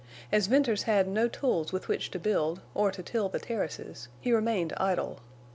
As Venters had no tools with which to build, or to till the terraces, he remained idle.